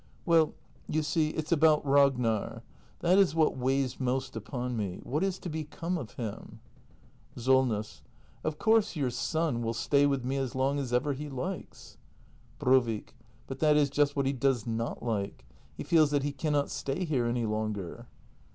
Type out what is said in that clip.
] Well, you see, it's about Ragnar. That is what weighs most upon me. What is to become of him ? SOLNESS. Of course your son will stay with me as long as ever he likes. Brovik. But that is just what he does not like. He feels that he cannot stay here any longer.